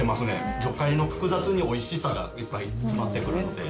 魚介の複雑においしさがいっぱい詰まってるので。